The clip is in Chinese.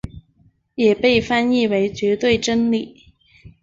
也被翻译为绝对真理。